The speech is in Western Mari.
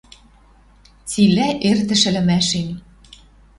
Цилӓ эртӹш ӹлӹмӓшем